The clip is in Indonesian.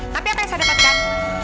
tapi apa yang saya dapatkan